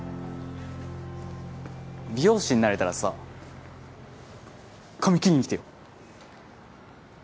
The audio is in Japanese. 美容師になれたらさ髪切りに来てよ。